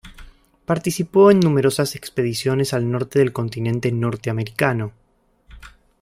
Participó en numerosas expediciones al norte del continente norteamericano.